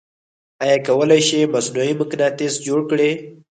آیا کولی شئ مصنوعې مقناطیس جوړ کړئ؟